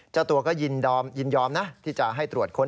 เจ้าตัวก็ยินยอมยินยอมนะที่จะให้ตรวจค้น